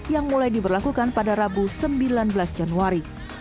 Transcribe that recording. yang mulai diberlakukan pada rabu sembilan belas januari